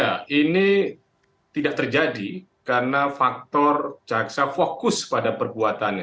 ya ini tidak terjadi karena faktor jaksa fokus pada perbuatannya